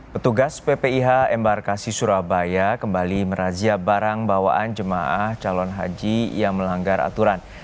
petugas ppih embarkasi surabaya kembali merazia barang bawaan jemaah calon haji yang melanggar aturan